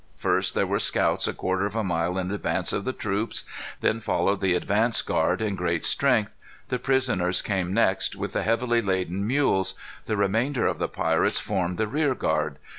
First there were scouts a quarter of a mile in advance of the troops. Then followed the advance guard in great strength. The prisoners came next, with the heavily laden mules. The remainder of the pirates formed the rear guard.